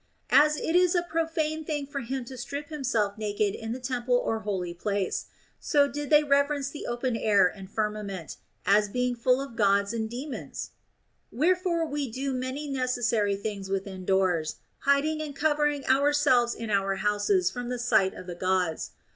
As it is a profane thing for him THE ROMAN QUESTIONS. 227 to strip himself naked in the temple or holy place, so did they reverence the open air and firmament, as being full of Gods and Daemons % Wherefore we do many necessary things within doors, hiding and covering ourselves in our houses from the sight of the Gods.